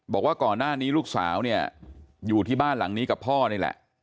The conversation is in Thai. บอกว่าก่อนหน้านี้ลูกสาวเนี่ยอยู่ที่บ้านหลังนี้กับพ่อนี่แหละ